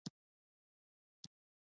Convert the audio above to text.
ادب او سياست: